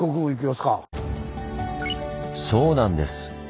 そうなんです。